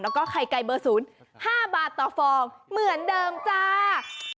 แล้วก็ไข่ไก่เบอร์๐๕บาทต่อฟองเหมือนเดิมจ้า